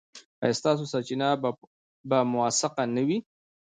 ایا ستاسو سرچینه به موثقه نه وي؟